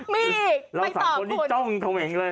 มีอีกไปต่อคุณ